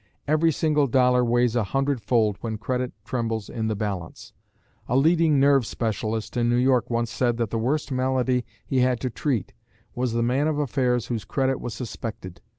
Every single dollar weighs a hundredfold when credit trembles in the balance. A leading nerve specialist in New York once said that the worst malady he had to treat was the man of affairs whose credit was suspected.